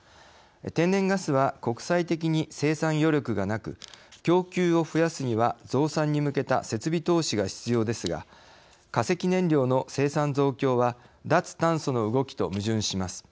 天然ガスは国際的に生産余力がなく供給を増やすには増産に向けた設備投資が必要ですが化石燃料の生産増強は脱炭素の動きと矛盾します。